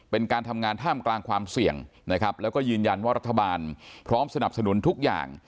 เป็นการทำงานท่ามกลางความเสี่ยงนะครับแล้วก็ยืนยันว่ารัฐบาลพร้อมสนับสนุนทุกอย่าง